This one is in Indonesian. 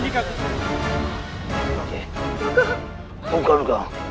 buka buka buka